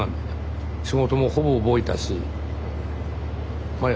仕事もほぼ覚えたしま